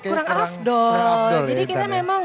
kurang afdol jadi kita memang